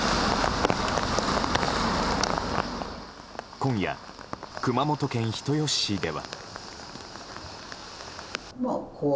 今夜、熊本県人吉市では。